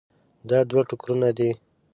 دا دوه ټوکرونه دي.